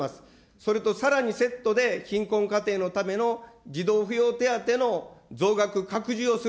それとさらにセットで貧困家庭のための児童扶養手当の増額拡充をする。